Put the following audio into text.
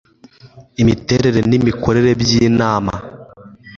IMITERERE N IMIKORERE BY INAMA